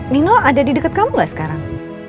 nino ada di dekat kamu gak sekarang